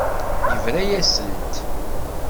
Yebra-yasent.